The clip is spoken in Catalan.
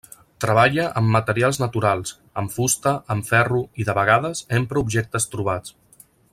Treballa amb materials naturals, amb fusta, amb ferro i, de vegades, empra objectes trobats.